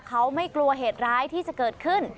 เขาไม่กลัวเหตุร้ายที่จะเกิดขึ้น